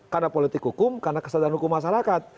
karena politik hukum karena kesadaran hukum masyarakat